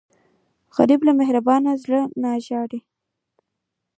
غریب له مهربان زړه نه ژاړي